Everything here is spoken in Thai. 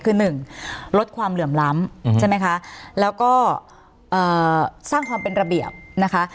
คือหนึ่งลดความเหลื่อมล้ำใช่ไหมคะแล้วก็สร้างความเป็นระเบียบนะคะ